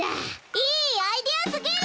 いいアイデアすぎる！